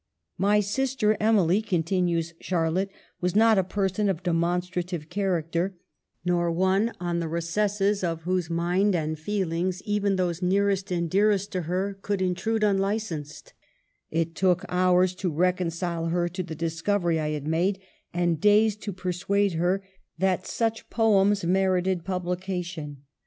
" My sister Emily," continues Charlotte, "was not a person of demonstrative character, nor one on the recesses of whose mind and feel ings even those nearest and dearest to her could intrude unlicensed ; it took hours to reconcile her to the discovery I had made, and days to persuade her that such poems merited publi WRITING POETRY. 185 cation.